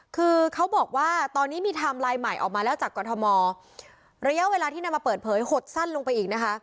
คือเขาบอกว่าตอนนี้มีไทม์ไลน์ใหม่ออกมาแล้วจากกรทมระยะเวลาที่นำมาเปิดเผยหดสั้นลงไปอีกนะคะ